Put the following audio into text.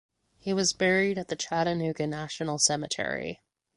He was buried at the Chattanooga National Cemetery.